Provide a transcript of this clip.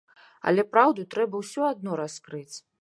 Але праўду трэба ўсё адно раскрыць.